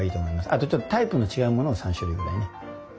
あとちょっとタイプの違うものを３種類ぐらいね。